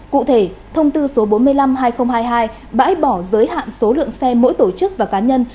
cụ thể thông tư số bốn mươi năm hai nghìn hai mươi hai bãi bỏ giới hạn số lượng xe mỗi tổ chức và cá nhân